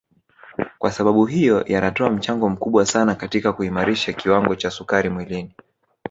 Kwasababu hiyo yanatoa mchango mkubwa sana katika kuimarisha kiwango cha sukari mwilini